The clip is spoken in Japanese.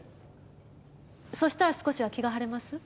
そしたら少しは気が晴れます？